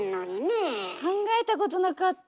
考えたことなかった！